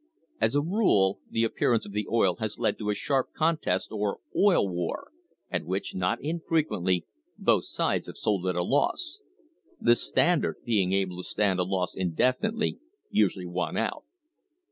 As a rule, the appearance of the oil has led to a sharp contest or "Oil War," at which, not infrequently, both sides have sold at a loss. The Standard, being able to stand a loss indefinitely, usually won out.